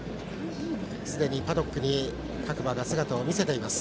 すでにパドックに各馬が姿を見せています。